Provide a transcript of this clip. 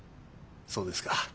そうですか。